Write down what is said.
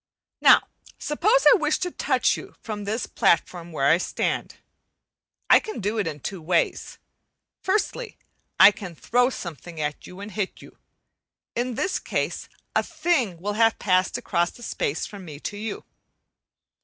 Now suppose I with to touch you from this platform where I stand, I can do it in two ways. Firstly, I can throw something at you and hit you in this case a thing will have passed across the space from me to you.